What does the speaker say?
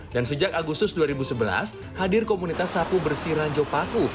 dan sejak agustus dua ribu sebelas hadir komunitas sapu bersih ranjau paku